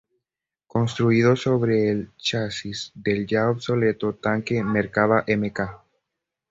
Construido sobre el chasis del ya obsoleto tanque Merkava Mk.